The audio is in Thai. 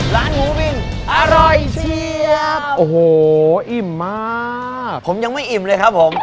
ร้านหมูปิ้งอร่อยเชียบโอ้โหอิ่มมากผมยังไม่อิ่มเลยครับผม